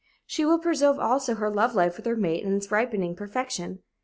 She will preserve also her love life with her mate in its ripening perfection.